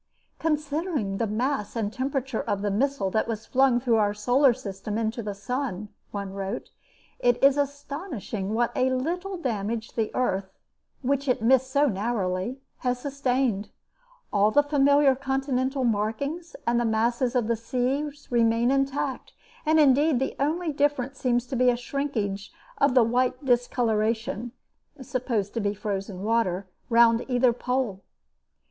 "Considering the mass and temperature of the missile that was flung through our solar system into the sun," one wrote, "it is astonishing what a little damage the earth, which it missed so narrowly, has sustained. All the familiar continental markings and the masses of the seas remain intact, and indeed the only difference seems to be a shrinkage of the white discolouration (supposed to be frozen water) round either pole."